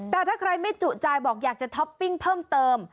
แต่ถ้าใครไม่จุใจบอกอยากจะท็อปปิ้งเพิ่มเติม